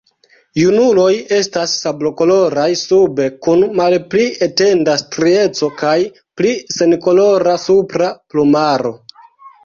Junuloj estas sablokoloraj sube kun malpli etenda strieco kaj pli senkolora supra plumaro.